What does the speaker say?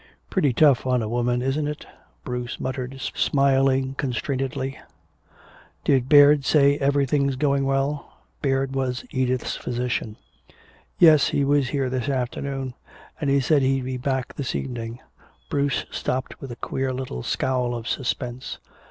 "Pretty tough on a woman, isn't it?" Bruce muttered, smiling constrainedly. "Did Baird say everything's going well?" Baird was Edith's physician. "Yes. He was here this afternoon, and he said he'd be back this evening." Bruce stopped with a queer little scowl of suspense.